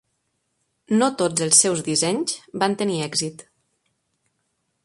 No tots els seus dissenys van tenir èxit.